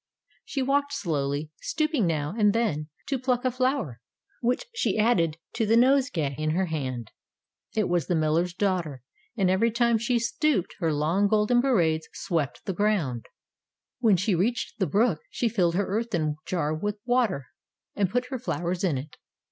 She walked slowly, stooping now and then to pluck a flower, which she added to the nosegay in her hand. It was the miller's daughter, and every time she stooped, her long golden braids 126 ■ Tales of Modern Germany swept the ground. When she reached the brook, she filled her earthern jar with water, and put her flowers in it.